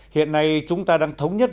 hiện nay chúng ta đang thống nhất